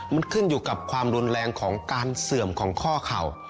มันขึ้นอยู่กับความรุนแรงของการเสื่อมของข้อเข่า